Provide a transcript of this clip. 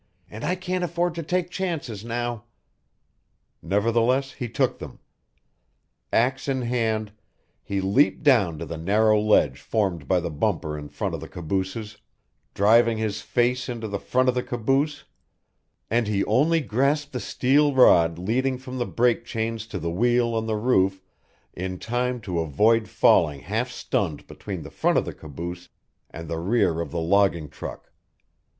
"And I can't afford to take chances now." Nevertheless he took them. Axe in hand, he leaped down to the narrow ledge formed by the bumper in front of the cabooses driving his face into the front of the caboose; and he only grasped the steel rod leading from the brake chains to the wheel on the roof in time to avoid falling half stunned between the front of the caboose and the rear of the logging truck.